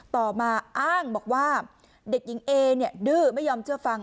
ต่อมาอ้างบอกว่าเด็กหญิงเอเนี่ยดื้อไม่ยอมเชื่อฟัง